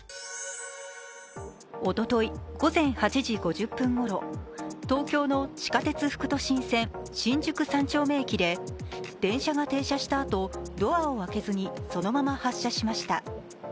おととい午前８時５０分ごろ、東京の地下鉄副都心線新宿三丁目駅で電車が停車したあと、ドアを開けずにそのまま発車しました。